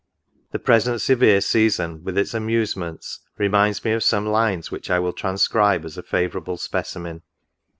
The present severe season, with its amusements, reminds me of some lines which I will trans cribe as a favourable specimen.